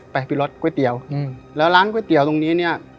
ไปพี่รถก๋วยเตี๋ยวแล้วร้านก๋วยเตี๋ยวตรงนี้เนี่ย